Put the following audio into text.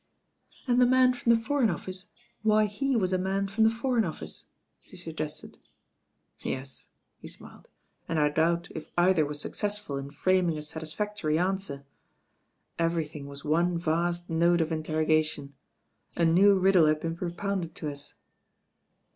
"And the man from the Foreign Office why he was a man from the Foreign Office," she suggested. "Yes," he smiled, "and I doubt if either was successful in framing a satisfactory answer. Everything was one vast note of interrogation. A new riddle had been propounded to us."